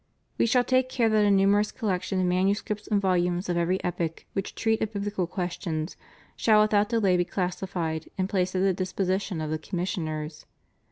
We shall take care that a numerous collection of manuscripts and vol umes of every epoch which treat of biblical questions shall without delay be classified and placed at the disposi tion of the commissioners.